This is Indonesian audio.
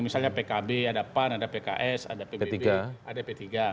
misalnya pkb ada pan ada pks ada pbb ada p tiga